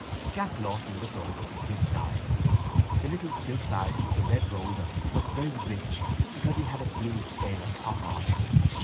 Jack Lawton looked over from his side. The little silk badge with the red rose on it looked very rich because he had a blue sailor top on.